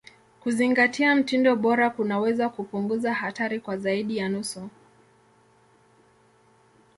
Kuzingatia mtindo bora kunaweza kupunguza hatari kwa zaidi ya nusu.